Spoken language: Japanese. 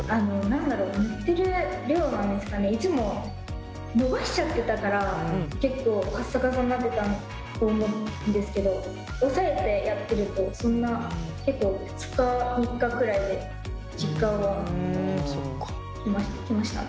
何だろう塗ってる量なんですかねいつも伸ばしちゃってたから結構カッサカサになってたと思うんですけど押さえてやってるとそんな結構２日３日くらいで実感はきました。